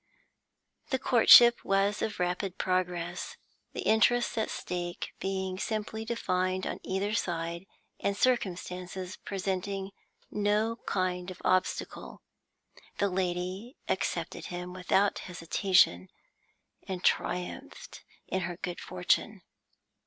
The courtship was of rapid progress, the interests at stake being so simply defined on either side, and circumstances presenting no kind of obstacle. The lady accepted him without hesitation, and triumphed in her good fortune.